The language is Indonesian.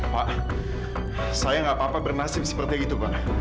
pak saya tidak apa apa bernasib seperti itu